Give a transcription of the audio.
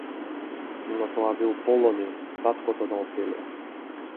Но, тоа бил Полониј, таткото на Офелија.